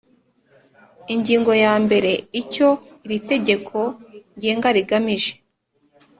Ingingo ya mbere Icyo iri tegeko ngenga rigamije